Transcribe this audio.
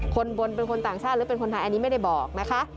คนบนเป็นคนต่างชาติหรือเป็นคนไทยอันนี้ไม่ได้บอกนะคะ